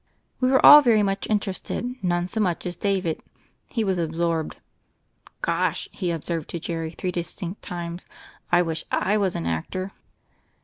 We were all very much interested; none so much as David. He was absorbed. "Gosh I" he observed to Jerk7 three distinct times, "I wish / was an actor."